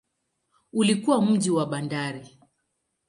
Ulikuwa mji wa bandari.